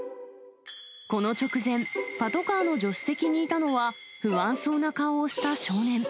この直前、パトカーの助手席にいたのは、不安そうな顔をした少年。